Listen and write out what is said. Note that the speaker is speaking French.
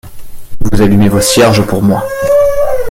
Vous allumez vos cierges pour moi.